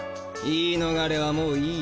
言いのがれはもういいよ。